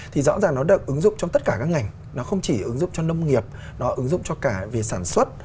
thì rõ ràng nó được ứng dụng trong tất cả các ngành nó không chỉ ứng dụng cho nông nghiệp nó ứng dụng cho cả về sản xuất